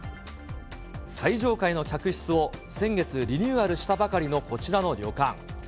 最上階の客室を、先月リニューアルしたばかりのこちらの旅館。